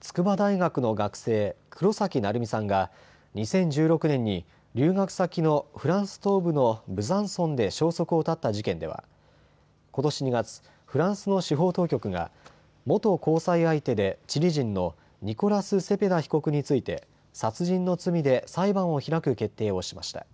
筑波大学の学生、黒崎愛海さんが２０１６年に留学先のフランス東部のブザンソンで消息を絶った事件ではことし２月、フランスの司法当局が元交際相手でチリ人のニコラス・セペダ被告について殺人の罪で裁判を開く決定をしました。